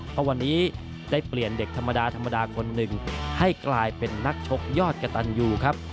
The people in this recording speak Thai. เพราะวันนี้ได้เปลี่ยนเด็กธรรมดาธรรมดาคนหนึ่งให้กลายเป็นนักชกยอดกระตันยูครับ